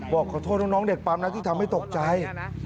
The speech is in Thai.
บอกขอโทษน้องเด็กปั๊มนะที่ทำให้ตกใจ